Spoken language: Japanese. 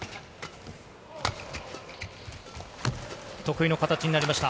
得意の形になりました。